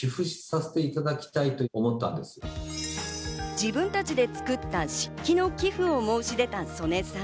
自分たちで作った漆器の寄付を申し出た曽根さん。